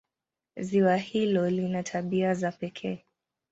Ziwa hilo lina tabia za pekee.